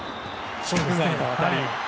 規格外の当たり。